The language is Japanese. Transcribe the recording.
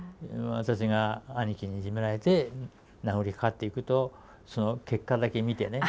私が兄貴にいじめられて殴りかかっていくとその結果だけ見てね